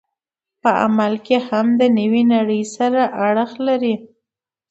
په عمل کې هم د نوې نړۍ سره اړخ لري.